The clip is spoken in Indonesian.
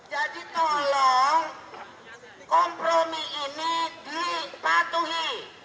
jadi tolong kompromi ini dipatuhi